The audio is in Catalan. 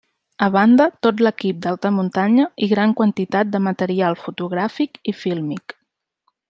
A banda, tot l'equip d'alta muntanya i gran quantitat de material fotogràfic i fílmic.